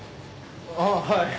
ああはい。